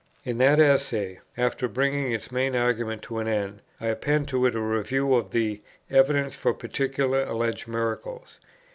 In that Essay, after bringing its main argument to an end, I append to it a review of "the evidence for particular alleged miracles."